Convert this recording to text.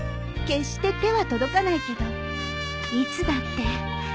決して手は届かないけどいつだって